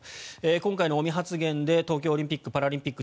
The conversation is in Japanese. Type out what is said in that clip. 今回の尾身発言で東京オリンピック・パラリンピック